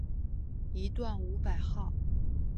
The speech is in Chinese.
一段五百号